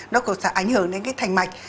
nó cũng sẽ ảnh hưởng đến cái thành mạch